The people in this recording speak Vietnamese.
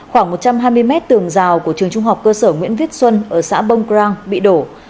khoảng một trăm hai mươi mét tường rào của trường trung học cơ sở nguyễn viết xuân ở xã bông rang bị đổ